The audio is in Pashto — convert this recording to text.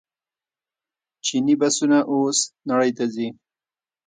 چیني بسونه اوس نړۍ ته ځي.